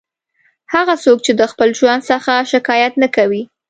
هغه څوک چې د خپل ژوند څخه شکایت نه کوي.